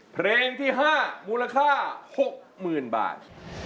เพลงที่๕มูลค่า๖๐๐๐บาท